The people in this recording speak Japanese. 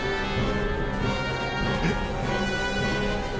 えっ！